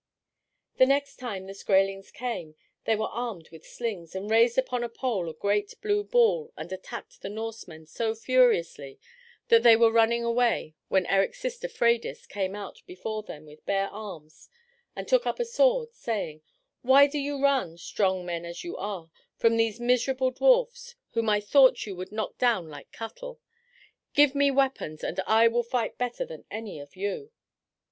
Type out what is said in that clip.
The next time the Skraelings came they were armed with slings, and raised upon a pole a great blue ball and attacked the Norsemen so furiously that they were running away when Erik's sister, Freydis, came out before them with bare arms, and took up a sword, saying, "Why do you run, strong men as you are, from these miserable dwarfs whom I thought you would knock down like cattle? Give me weapons, and I will fight better than any of you."